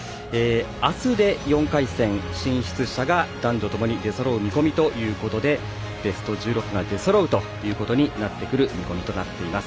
明日で４回戦進出者が男女ともに出そろう見込みということでベスト１６が出そろう見込みとなっています。